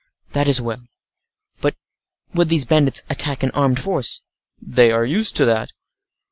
"That is well: but would these bandits attack an armed force?" "They are used to that."